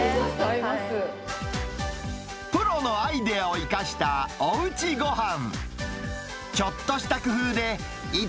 プロのアイデアを生かしたおうちごはん。